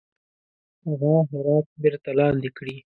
هغه هرات بیرته لاندي کړي.